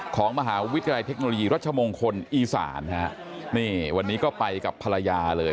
ของมหาวิทยาลัยเทคโนโลยีรัชมงคลอีสานฮะนี่วันนี้ก็ไปกับภรรยาเลย